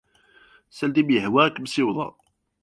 Sanda ay am-yehwa ad kem-ssiwḍeɣ.